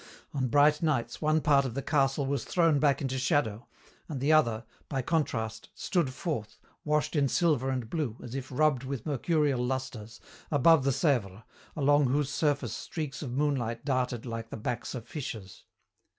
On bright nights one part of the castle was thrown back into shadow, and the other, by contrast, stood forth, washed in silver and blue, as if rubbed with mercurial lusters, above the Sèvre, along whose surface streaks of moonlight darted like the backs of fishes.